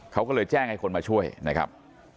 เขาก็เลยแจ้งให้คนมาช่วยนะครับ